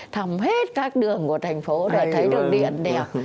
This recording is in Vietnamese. thầm hết các đường của thành phố rồi thấy được điện đẹp